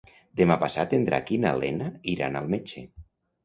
Demà passat en Drac i na Lena iran al metge.